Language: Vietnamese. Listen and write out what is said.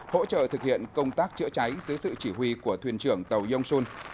hỗ trợ thực hiện công tác chữa cháy dưới sự chỉ huy của thuyền trưởng tàu yongsun